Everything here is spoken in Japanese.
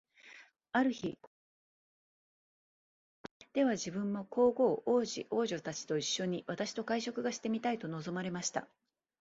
ある日、皇帝は私の食事振りを聞かれて、では自分も皇后、皇子、皇女たちと一しょに、私と会食がしてみたいと望まれました。